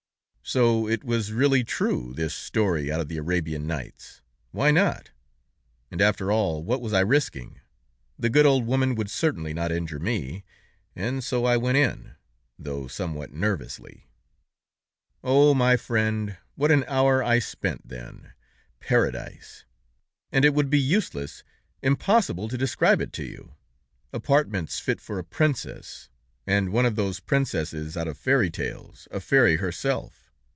So it was really true, this story out of The Arabian Nights? Why not? And after all, what was I risking? The good woman would certainly not injure me, and so I went in, though somewhat nervously. "Oh! My friend, what an hour I spent then! Paradise! and it would be useless, impossible to describe it to you! Apartments fit for a princess, and one of those princesses out of fairy tales, a fairy herself.